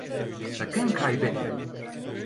Sakın kaybetme.